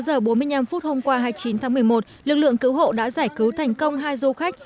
đến khoảng một mươi sáu h bốn mươi năm hôm qua hai mươi chín tháng một mươi một lực lượng cứu hộ đã giải cứu thành công hai du khách